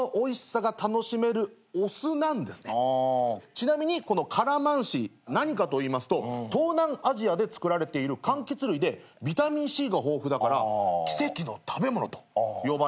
ちなみにこのカラマンシー何かといいますと東南アジアで作られているかんきつ類でビタミンＣが豊富だから奇跡の食べ物と呼ばれてるんですね。